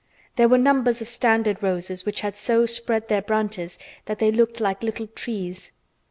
There were numbers of standard roses which had so spread their branches that they were like little trees.